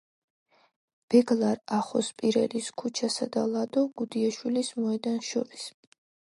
ბეგლარ ახოსპირელის ქუჩასა და ლადო გუდიაშვილის მოედანს შორის.